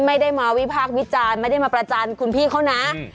ไม่ได้มาวิพากษ์วิจารณ์ไม่ได้มาประจานคุณพี่เขานะ